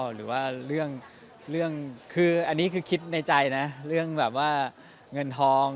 หรือว่าเรื่องคืออันนี้คือคิดในใจนะเรื่องแบบว่าเงินทอง